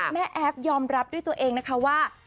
แอฟยอมรับด้วยตัวเองนะคะว่า